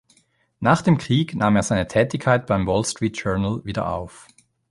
Nach dem Krieg nahm er seine Tätigkeit beim "Wall Street Journal" wieder auf.